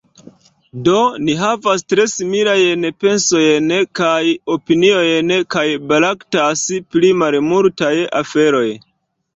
Do, ni havas tre similajn pensojn kaj opiniojn kaj baraktas pri malmultaj aferoj.